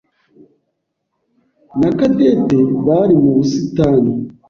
Na Cadette bari mu busitani.